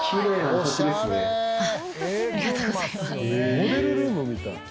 モデルルームみたい。